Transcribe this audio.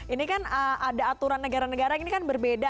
ini kan ada aturan negara negara ini kan berbeda